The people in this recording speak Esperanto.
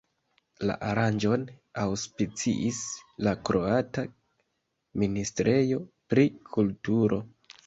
La aranĝon aŭspiciis la kroata Ministrejo pri Kulturo.